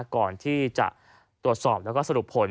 ก่อนที่จะตรวจสอบแล้วก็สรุปผล